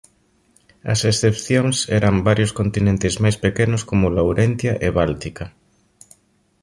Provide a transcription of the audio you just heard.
As excepcións eran varios continentes máis pequenos como Laurentia e Báltica.